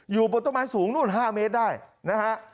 อยู่บนต้นไม้สูงนู่น๕เมตรได้นะฮะ